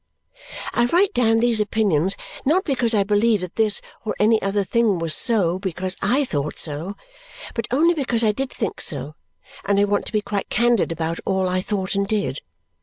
I write down these opinions not because I believe that this or any other thing was so because I thought so, but only because I did think so and I want to be quite candid about all I thought and did.